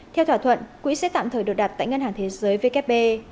theo thỏa thuận quỹ sẽ tạm thời được đặt tại ngân hàng thế giới vkp